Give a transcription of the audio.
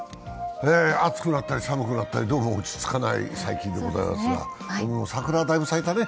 暑くなったり寒くなったりどうも落ち着かない最近でございますが、桜、だいぶ咲いたね。